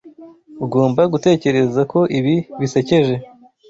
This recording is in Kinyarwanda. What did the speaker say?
Ugomba gutekereza ko ibi bisekeje.